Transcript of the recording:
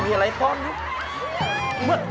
เกิดอะไรขึ้น